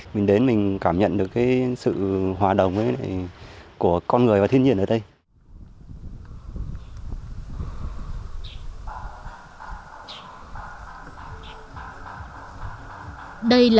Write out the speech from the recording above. mình đến mình cảm nhận được cái sự hòa đồng với con người và thiên nhiên ở đây